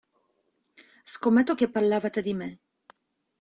Scommetto che parlavate di me.